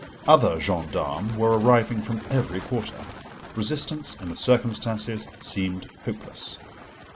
Other gendarmes were arriving from every quarter: resistance in the circumstances seemed hopeless.